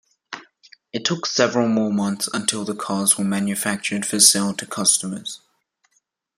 It took several more months until the cars were manufactured for sale to customers.